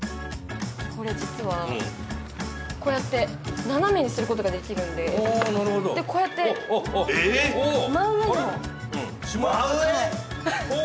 これ実は斜めにすることができるんで、こうやって真上にも。